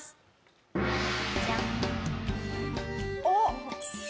おっ！